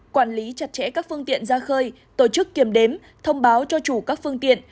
quản lý chặt chẽ các phương tiện ra khơi tổ chức kiểm đếm thông báo cho chủ các phương tiện